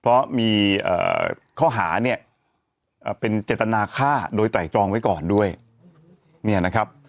เพราะมีข้อหาเนี่ยเป็นเจตนาฆ่าโดยไตรตรองไว้ก่อนด้วยเนี่ยนะครับ